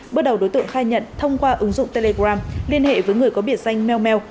bước đầu đối tượng khai nhận thông qua ứng dụng telegram liên hệ với người có biệt danh mell